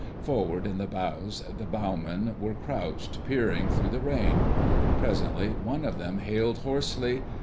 Forward in the bows the bowmen were crouched, peering through the rain. Presently one of them hailed hoarsely.